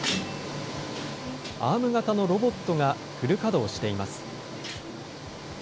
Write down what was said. アーム型のロボットがフル稼働しています。